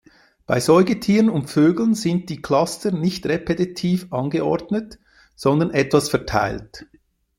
Bei Säugetieren und Vögeln sind die Cluster nicht repetitiv angeordnet, sondern etwas verteilt.